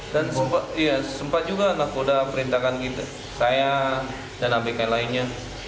dan sempat juga nakoda perintahkan kita saya dan abk lainnya